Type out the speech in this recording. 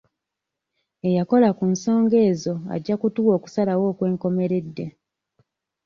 Eyakola ku nsonga ezo ajja kutuwa okusalawo okwenkomeredde.